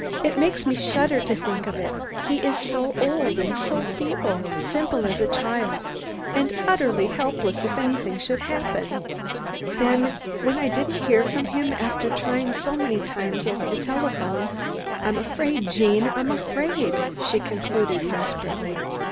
"It makes me shudder just to think of it. He is so old and so feeble, simple as a child, and utterly helpless if anything should happen. Then, when I didn't hear from him after trying so many times over the telephone I'm afraid, Gene, I'm afraid," she concluded desperately.